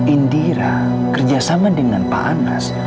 indira kerjasama dengan pak anas